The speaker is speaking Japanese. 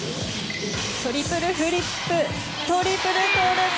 トリプルフリップトリプルトウループ。